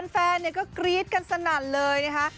แฟนก็กรี๊ดกันสนั่นเลยนะคะ